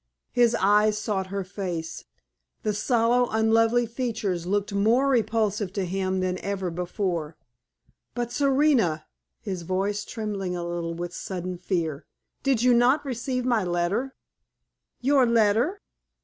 His eyes sought her face; the sallow, unlovely features looked more repulsive to him than ever before. "But, Serena" his voice trembling a little with sudden fear "did you not receive my letter?" "Your letter?"